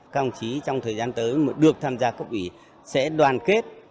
các đồng chí trong thời gian tới được tham gia cốc quỷ sẽ đoàn kết